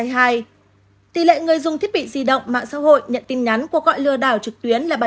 tỷ lệ người dùng thiết bị di động mạng xã hội nhận tin nhắn của gọi lừa đảo trực tuyến là bảy